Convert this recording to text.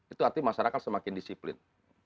itu artinya masyarakat semakin disiplin